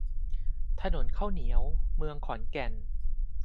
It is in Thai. ถนนข้าวเหนียว เมืองขอนแก่น